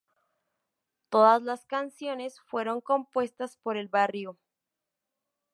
Todas las canciones fueron compuestas por El Barrio.